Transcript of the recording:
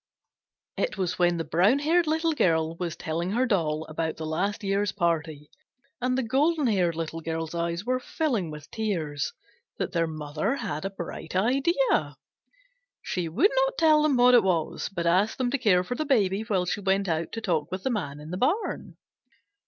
It was when the brown haired Little Girl was telling her doll about the last year's party, and the golden haired Little Girl's eyes were filling with tears, that their mother had a bright idea. She would not tell them what it was, but asked them to care for the Baby while she went out to talk with the Man in the barn.